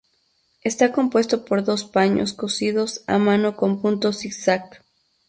Está compuesto por dos paños cosidos a mano con punto zigzag.